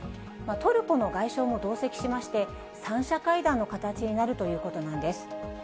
トルコの外相も同席しまして、３者会談の形になるということなんです。